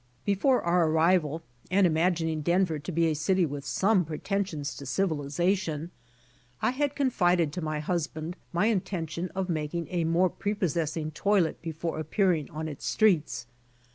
Before our arrival, and imagining Denver to be a city with some pretensions to civilization, I had confided to my husband my intention of making a more prepossessing toilet before appearing on its streets.